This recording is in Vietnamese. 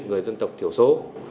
người dân tộc thiểu số